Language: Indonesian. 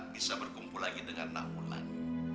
bisa berkumpul lagi dengan nafulan